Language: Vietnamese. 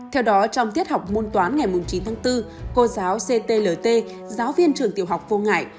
theo đó trong tiết học môn toán ngày chín tháng bốn cô giáo ctlt giáo viên trường tiểu học phô ngại